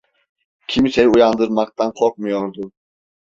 Kimseyi uyandırmaktan korkmuyordu.